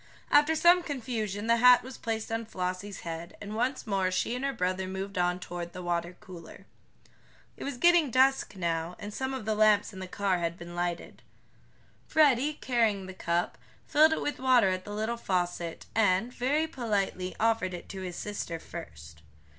After some confusion the hat was placed on Flossie's head, and once more she and her brother moved on toward the water cooler. It was getting dusk now, and some of the lamps in the car had been lighted. Freddie, carrying the cup, filled it with water at the little faucet, and, very politely, offered it to his sister first.